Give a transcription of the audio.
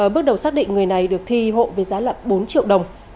bước đầu xác định người này được thi hộ với giá bốn triệu đồng